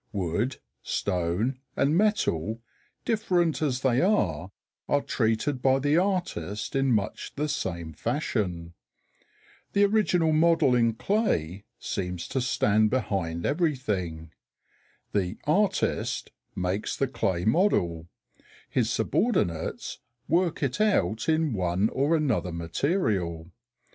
Wood, stone, and metal, different as they are, are treated by the artist in much the same fashion. The original model in clay seems to stand behind everything. The "artist" makes the clay model; his subordinates work it out in one or another material.